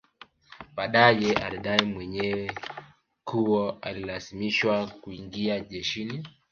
Baadae alidai mwenyewe kuwa alilazimishwa kuingia jeshini